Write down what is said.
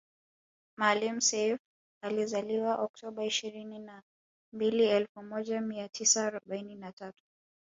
Maalim Self alizaliwa oktoba ishirini na mbili elfu moja mia tisa arobaini na tatu